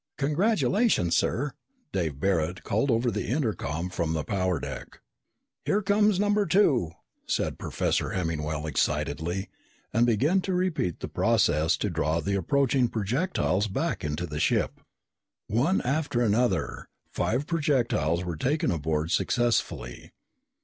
"Congratulations, sir," Dave Barret called over the intercom from the power deck. "Here comes number two," said Professor Hemmingwell excitedly, and began to repeat the process to draw the approaching projectiles back into the ship. One after another, five projectiles were taken aboard successfully.